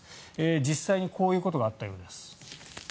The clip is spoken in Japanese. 実際にこういうことがあったようです。